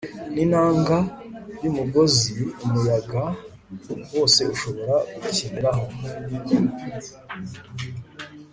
ninanga yumugozi umuyaga wose ushobora gukiniraho